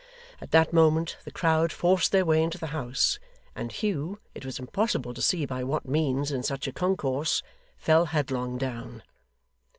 At that moment the crowd forced their way into the house, and Hugh it was impossible to see by what means, in such a concourse fell headlong down.